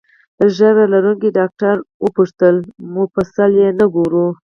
ږیره لرونکي ډاکټر وپوښتل: مفصل یې نه ګورو؟